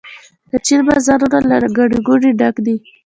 د چین بازارونه له ګڼې ګوڼې ډک دي.